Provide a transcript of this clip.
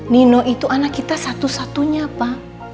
nino itu anak kita satu satunya pak